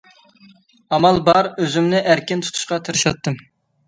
ئامال بار ئۆزۈمنى ئەركىن تۇتۇشقا تىرىشاتتىم.